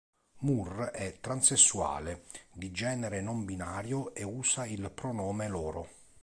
Moore è transessuale, di Genere non-binario e usa il pronome loro.